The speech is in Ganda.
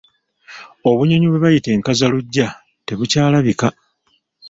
Obunyonyi bwe bayita enkazalujja tebukyalabika.